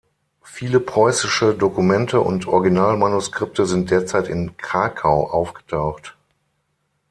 Viele Preußische Dokumente und Originalmanuskripte sind derzeit in Krakau aufgetaucht.